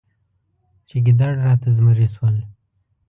چې ګیدړ راته زمری شول.